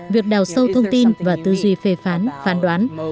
việc đào sâu thông tin và tư duy phê phán phán đoán